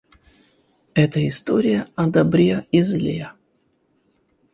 Эта история о добре и зле